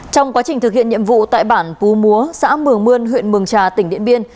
trong quá trình thực hiện nhiệm vụ tại bản púa xã mường mươn huyện mường trà tỉnh điện biên